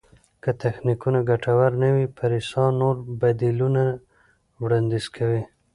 که تخنیکونه ګټور نه وي، پریسا نور بدیلونه وړاندیز کوي.